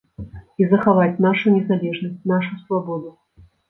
І захаваць нашу незалежнасць, нашу свабоду.